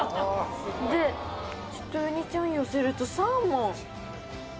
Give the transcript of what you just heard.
でちょっとウニちゃんを寄せるとサーモン。